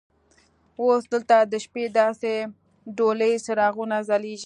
اوس دلته د شپې داسې ډولي څراغونه ځلیږي.